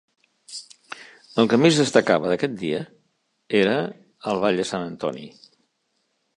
El que més destacava d'aquest dia era el Ball de Sant Antoni.